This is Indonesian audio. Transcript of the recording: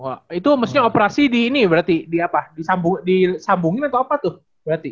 wah itu maksudnya operasi di ini berarti di apa disambungin atau apa tuh berarti